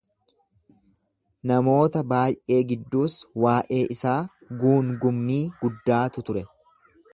Namoota baay’ee gidduus waa’ee isaa guungummii guddaatu ture.